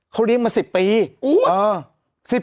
เขาเลี้ยงมา๑๐ปี